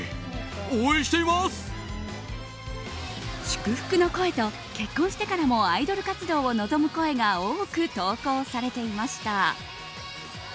祝福の声と、結婚してからもアイドル活動を望む声が多く投稿されていました。